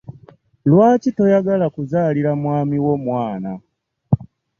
Lwaki toyagala kuzalira mwami wo mwana?